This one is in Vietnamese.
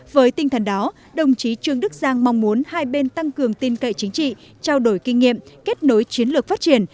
với tinh thần đó đồng chí trương đức giang mong muốn hai bên tăng cường tin cậy chính trị trao đổi kinh nghiệm kết nối chiến lược phát triển